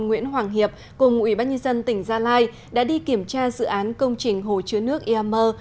nguyễn hoàng hiệp cùng ủy ban nhân dân tỉnh gia lai đã đi kiểm tra dự án công trình hồi chứa nước iamer